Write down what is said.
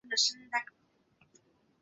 印度国家公路管理局。